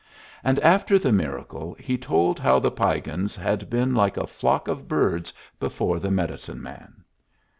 And after the miracle he told how the Piegans had been like a flock of birds before the medicine man.